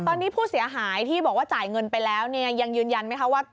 ตอนนี้ผู้เสียหายที่บอกว่าจ่ายเงินไปแล้วเนี่ยยังยืนยันไหมคะว่า